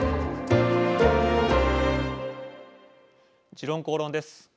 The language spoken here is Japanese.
「時論公論」です。